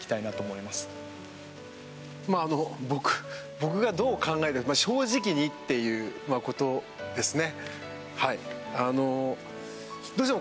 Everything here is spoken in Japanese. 僕がどう考えるか正直にっていうことですね。